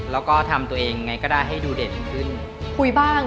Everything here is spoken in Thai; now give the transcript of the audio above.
แล้วก็ทำตัวเองไงก็ได้ให้ดูเด่นขึ้นคุยบ้าง